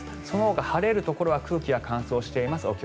そのほか、晴れるところは空気が乾燥しています。